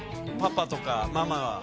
パパとかママは。